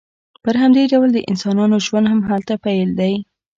په همدې ډول د انسانانو ژوند هم هلته بیل دی